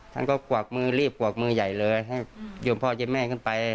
ท่านก็กวักมือรีบกวักมือใหญ่เลยให้โยมพ่อยมแม่ขึ้นไป